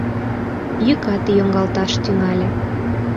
Йӱкат йоҥгалташ тӱҥале.